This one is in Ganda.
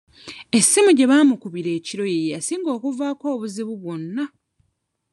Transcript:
Essimu gye baamukubira ekiro ye yasinga okuvaako obuzibu bwonna.